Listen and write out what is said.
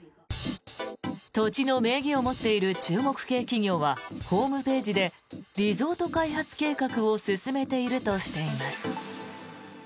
土地の名義を持っている中国系企業はホームページでリゾート開発計画を進めているとしています。